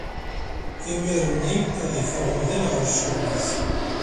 Imir-nni, ad iffeɣ umdan ɣer ccɣel-is.